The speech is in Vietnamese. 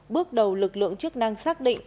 bước đầu lực lượng chức năng xác định